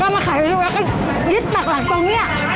ก็มาขายทุกแล้วก็ยึดปากหลังตรงเนี่ย